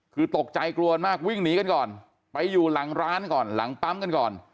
คือตกใจกลัวมากวิ่งหนีกันก่อนไปอยู่หลังร้านก่อนหลังปั๊มกันก่อน